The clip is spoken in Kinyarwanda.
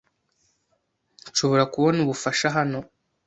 Nshobora kubona ubufasha hano?